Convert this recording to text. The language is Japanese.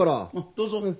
どうぞ。